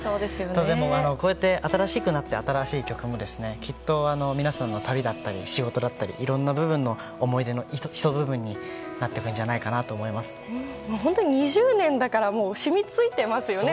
でもこうやって新しくなって新しい曲もきっと皆さんの旅だったり仕事だったりいろんな部分の思い出のひと部分になっていくんじゃないかと２０年だから染みついていますよね